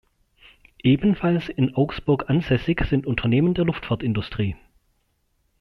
Ebenfalls in Augsburg ansässig sind Unternehmen der Luftfahrtindustrie.